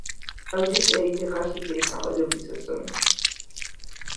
Aldus a été racheté par Adobe Systems.